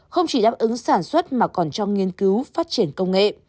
không chỉ đáp ứng sản xuất mà còn trong nghiên cứu phát triển công nghệ